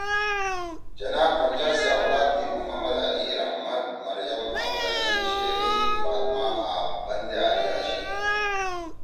جناح پونجا سی آولاد می محمد علی، رحمت، مریم، احمدعلی، شریں، فاطمہ آں بندے علی آشی